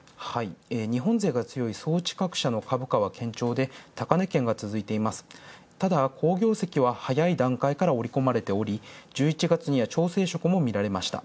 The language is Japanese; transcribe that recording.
日本勢が強い装置各社の株価は顕著で高値件が続いているただ好業績は早い段階から織り込まれており１１月には調整もみられました。